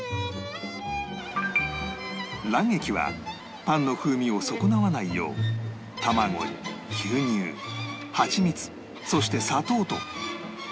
卵液はパンの風味を損なわないよう卵に牛乳ハチミツそして砂糖といたってシンプル